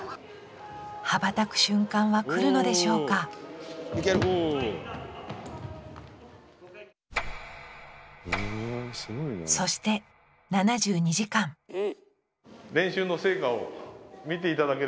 羽ばたく瞬間は来るのでしょうかそして７２時間ああ。